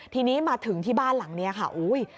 ทีนี้มาถึงที่บ้านหลังนี้ค่ะอุ้ย